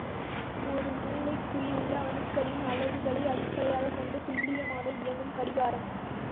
ஒரு மூலக்கூறிலுள்ள அணுக்களின் அளவுகளை அடிப்படையாகக் கொண்டு துல்லியமாக இயங்கும் கடிகாரம்.